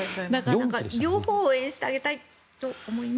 両方応援してあげたいと思います。